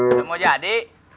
udah mau jadi